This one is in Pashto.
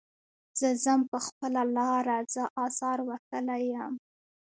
زه ځم په خپله لاره زه ازار وهلی یم.